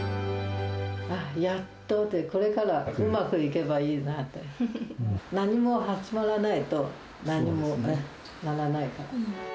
やっと、これからうまくいけばいいなと。何も始まらないと、なんにもならないから。